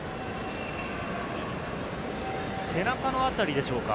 背中のあたりでしょうか。